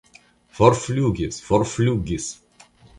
Forflugis, forflugis!